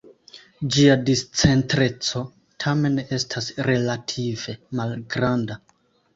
Ĝia discentreco tamen estas relative malgranda.